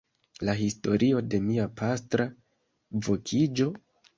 La historio de mia pastra vokiĝo?